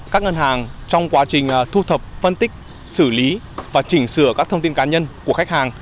các ngân hàng trong quá trình thu thập phân tích xử lý và chỉnh sửa các thông tin cá nhân của khách hàng